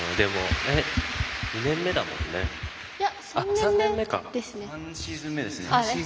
３年目シーズンですね。